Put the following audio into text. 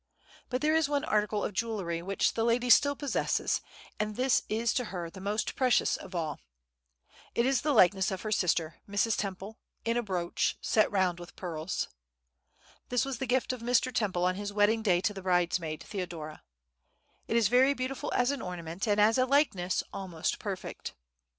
But there is one article of jewellery which the lady still possesses, and this is to her the most precious of all. It is the likeness of her sister, Mrs. Temple, in a brooch, set round with pearls. This was the gift of Mr. Temple on his wedding day to the bridesmaid, Theodora; it is very beautiful as an ornament, and as a likeness almost perfect.